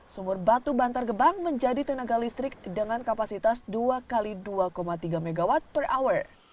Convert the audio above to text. sumur batu bantar gebang menjadi tenaga listrik dengan kapasitas dua x dua tiga mw per hour